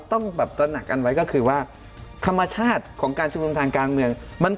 ต้องแบบตระหนักกันไว้ก็คือว่าธรรมชาติของการชุมนุมทางการเมือง